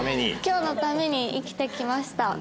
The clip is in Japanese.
今日のために生きてきました。